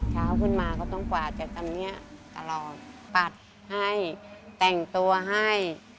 เช้าขึ้นมาก็ต้องกวาดจากตรงนี้ตลอดปัดให้แต่งตัวให้